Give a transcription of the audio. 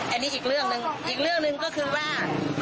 อันนี้อีกเรื่องหนึ่งอีกเรื่องหนึ่งก็คือว่า